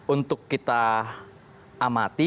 untuk kita amati